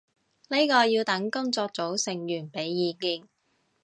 呢個要等工作組成員畀意見